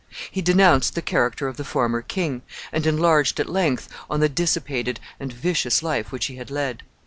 He denounced the character of the former king, and enlarged at length on the dissipated and vicious life which he had led.